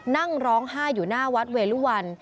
นั่งร้องไห้อยู่หน้าวัดเวลุวัน